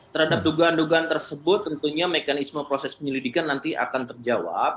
terhadap dugaan dugaan tersebut tentunya mekanisme proses penyelidikan nanti akan terjawab